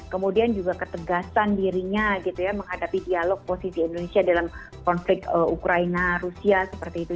kemudian juga ketegasan dirinya gitu ya menghadapi dialog posisi indonesia dalam konflik ukraina rusia seperti itu